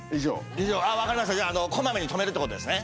分かりました小まめに止めるってことですね。